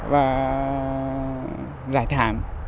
và giải thảm